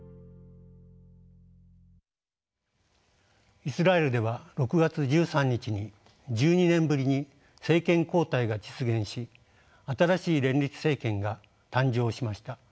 イスラエルでは６月１３日に１２年ぶりに政権交代が実現し新しい連立政権が誕生しました。